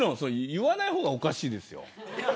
言わない方がおかしいですよ。